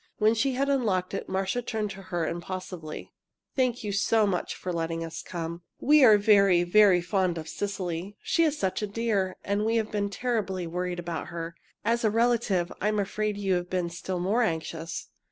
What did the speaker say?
When she had unlocked it, Marcia turned to her impulsively. "Thank you so much for letting us come! We are very, very fond of Cecily. She is such a dear, and we've been terribly worried about her. As a relative, I'm afraid you have been still more anxious."